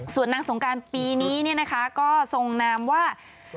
ส่วนนางสงกรานปีนี้เนี่ยนะคะก็ทรงนามว่า